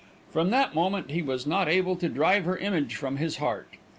From that moment he was not able to drive her image from his heart.